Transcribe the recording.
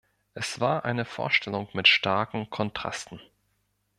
Es war eine Vorstellung mit starken Kontrasten.